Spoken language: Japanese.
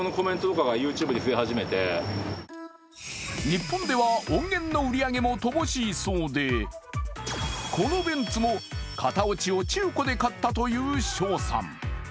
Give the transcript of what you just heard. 日本では音源の売り上げも乏しいそうでこのベンツも型落ちを中古で買ったというＳＨＯさん。